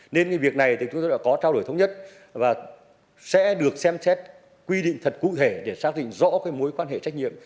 nên cái việc này thì chúng tôi đã có trao đổi thống nhất và sẽ được xem xét quy định thật cụ thể để xác định rõ cái mối quan hệ trách nhiệm